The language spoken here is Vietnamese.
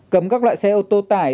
cấm các loại xe ô tô tải